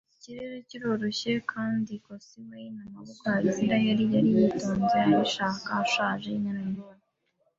ikirere cyoroshye. Kandi coxswain, Amaboko ya Isiraheli, yari yitonze, abishaka, ashaje, inararibonye